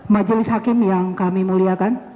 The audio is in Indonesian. majelis hakim yang kami muliakan